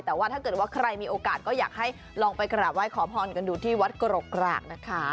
แต่ว่าถ้าเกิดว่าใครมีโอกาสก็อยากให้ลองไปกราบไห้ขอพรกันดูที่วัดกรกกรากนะคะ